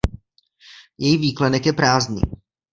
Její výklenek je prázdný.